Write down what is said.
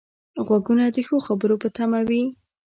غوږونه د ښو خبرو په تمه وي